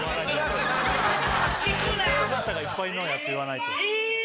尾形がいっぱいのやつ言わないとい！